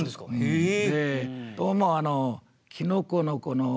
へえ。